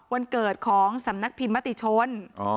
วันเกิดของสำนักพิมมติชน